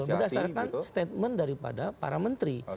ya betul berdasarkan statement daripada para menteri